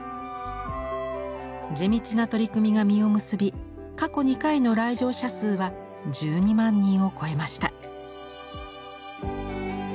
地道な取り組みが実を結び過去２回の来場者数は１２万人を超えました。